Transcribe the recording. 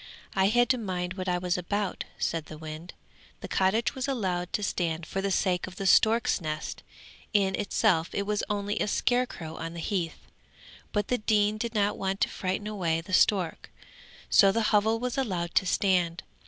I had to mind what I was about,' said the wind. 'The cottage was allowed to stand for the sake of the stork's nest; in itself it was only a scarecrow on the heath, but the dean did not want to frighten away the stork, so the hovel was allowed to stand.